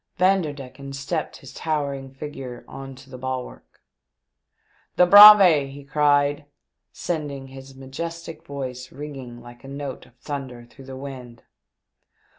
Vanderdecken stepped his towering figure on to the bulwark ;" The Braave," he cried, sending his majestic voice ringing like a note of thunder through the wind.